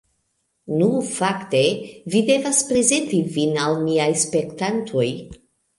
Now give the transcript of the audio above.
Nu, fakte, vi devas prezenti vin al miaj spektantoj